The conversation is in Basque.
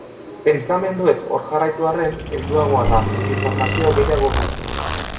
Pentsamenduek hor jarraitu arren, helduagoa da, informazio gehiago du.